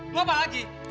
mau apa lagi